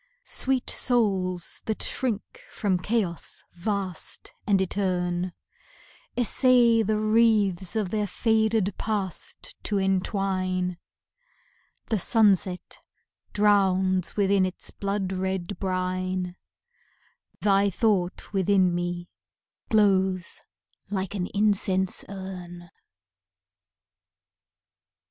Sweet souls that shrink from chaos vast and etern, Essay the wreaths of their faded Past to entwine, The sunset drowns within its blood red brine, Thy thought within me glows like an incense urn.